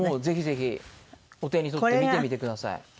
ぜひぜひお手に取って見てみてください。